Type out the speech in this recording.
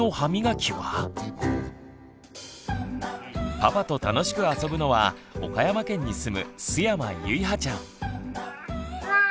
パパと楽しく遊ぶのは岡山県に住む須山ゆいはちゃん。